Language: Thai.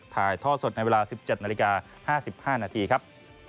ถ่ายท่อสดในเวลา๑๗นาฬิกา๕๕นาทีครับ